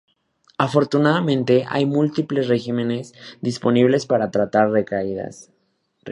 Afortunadamente, hay múltiples regímenes disponibles para tratar recaídas.